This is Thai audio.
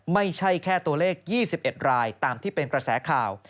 ไม่ใช่แค่ตัวเลข๒๑รายตามที่เป็นกระแสข่าว